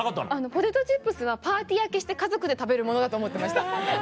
ポテトチップスはパーティー開けして家族で食べるものだと思ってました。